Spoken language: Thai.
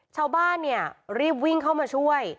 ชาวบ้านเนี่ยรีบวิ่งเข้ามาช่วย